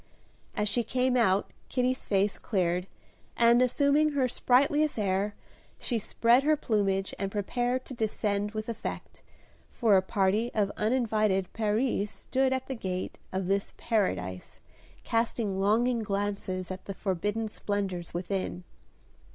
As she came out Kitty's face cleared, and, assuming her sprightliest air, she spread her plumage and prepared to descend with effect, for a party of uninvited peris stood at the gate of this Paradise casting longing glances at the forbidden splendors within.